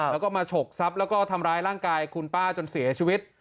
แล้วก็มาฉกทรัพย์แล้วก็ทำร้ายร่างกายคุณป้าจนเสียชีวิต